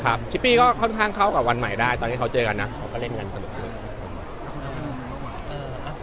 คิปปี้ก็ค่อนข้างเข้ากับวันใหม่ได้ตอนที่เขาเจอกันนะเขาก็เล่นกันสนุก